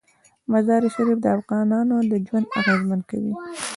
مزارشریف د افغانانو ژوند اغېزمن کوي.